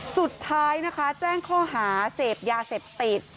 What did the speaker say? สุดท้ายนะคะแจ้งข้อหาเสพยาเสพติด